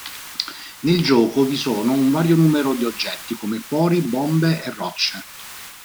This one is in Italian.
Nel gioco vi sono un vario numero di oggetti come cuori, bombe e rocce.